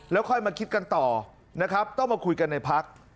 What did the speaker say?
แล้วค่อยมาคิดกันต่อนะครับต้องมาคุยกันในพัก